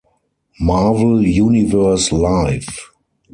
Marvel Universe Live!